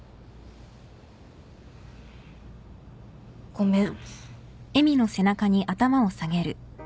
ごめん。